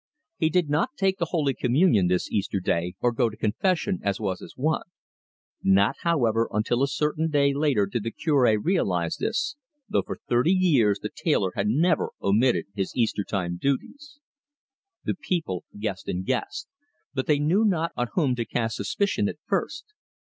He did not take the holy communion this Easter day, or go to confession as was his wont. Not, however, until a certain day later did the Cure realise this, though for thirty years the tailor had never omitted his Easter time duties. The people guessed and guessed, but they knew not on whom to cast suspicion at first.